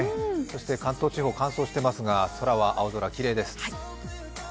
関東地方、乾燥してますが空は青空、きれいです。